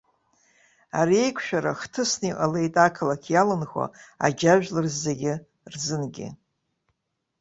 Ари аиқәшәара хҭысны иҟалеит ақалақь иаланхо аџьажәлар зегь рзынгьы.